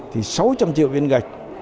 thì sáu trăm linh triệu viên gạch